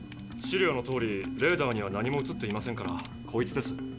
資料のとおりレーダーには何も映っていませんからこいつです。